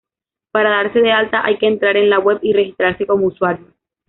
Para darse de alta hay que entrar en la web y registrarse como usuario.